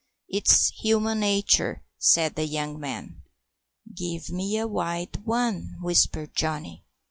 "It's human nature," said the young man. "Give me a wild one" whispered Johnny.